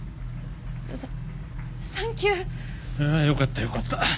あよかったよかった。